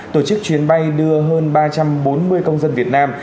tổ chức chuyến bay đưa hơn ba trăm bốn mươi công dân việt nam